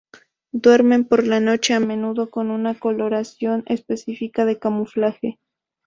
Duermen por la noche, a menudo con una coloración específica de camuflaje.